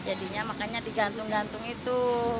jadinya makanya digantung gantung itu